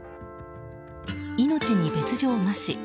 命に別条なし。